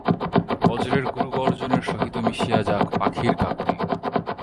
বজ্রের গুরুগর্জনের সহিত মিশিয়া যাক পাখির কাকলি।